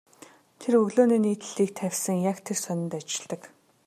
Тэр өглөөний нийтлэлийг тавьсан яг тэр сонинд ажилладаг.